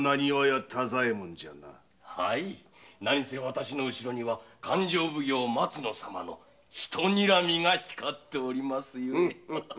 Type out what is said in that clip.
なにせわたしの後ろには勘定奉行・松野様のひとにらみが光っておりまするゆえ。